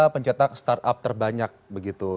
pencetak startup terbanyak begitu